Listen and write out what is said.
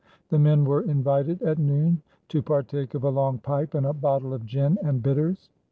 The men were invited at noon to partake of a long pipe and a bottle of gin and bitters.